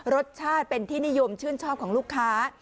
รสชาติเป็นที่นิยมชื่นชอบของลูกค้า